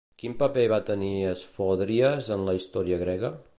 Quin paper va tenir Esfòdries en la història grega?